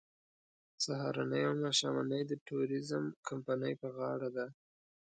سهارنۍ او ماښامنۍ د ټوریزم کمپنۍ په غاړه ده.